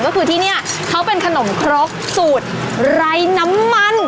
ก็คือที่นี่เขาเป็นขนมครกสูตรไร้น้ำมัน